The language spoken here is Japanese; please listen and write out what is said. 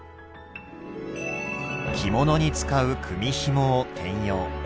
着物に使う組みひもを転用。